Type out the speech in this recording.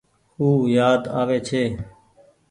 او يآد آوي ڇي۔